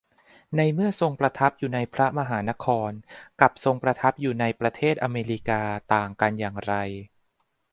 ในเมื่อทรงประทับอยู่ในพระมหานคร กับทรงประทับอยู่ในประเทศอเมริกา ต่างกันอย่างไร